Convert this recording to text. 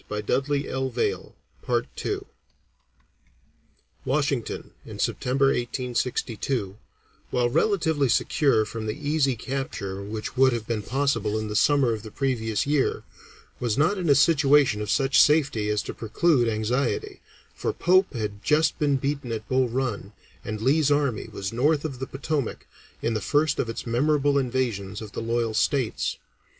He died at Dover, Delaware, April 4, 1895. Washington in September, 1862, while relatively secure from the easy capture which would have been possible in the summer of the previous year, was not in a situation of such safety as to preclude anxiety, for Pope had just been beaten at Bull Run and Lee's army was north of the Potomac in the first of its memorable invasions of the loyal states.